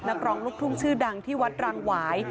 นักร้องลูกทุ่งชื่อดังที่วัดรางหวาย